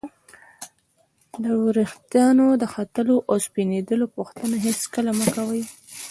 د ورېښتانو د ختلو او سپینېدلو پوښتنه هېڅکله مه کوئ!